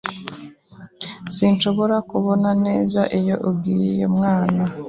Sinshobora kubona neza iyo ugiye mwana